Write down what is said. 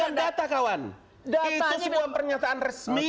bukan data kawan itu sebuah pernyataan resmi